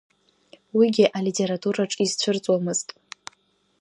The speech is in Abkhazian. Уигьы алитератураҿ изцәырҵуамызт.